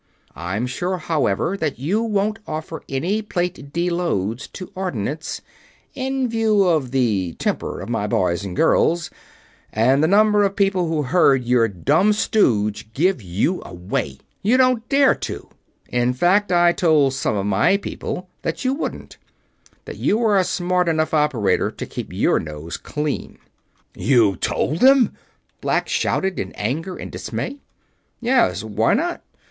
I'm sure, however, that you won't offer any Plate D loads to Ordnance in view of the temper of my boys and girls, and the number of people who heard your dumb stooge give you away, you won't dare to. In fact, I told some of my people that you wouldn't; that you are a smart enough operator to keep your nose clean." "You told them!" Black shouted, in anger and dismay. "Yes? Why not?"